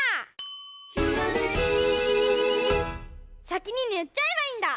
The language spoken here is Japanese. さきにぬっちゃえばいいんだ！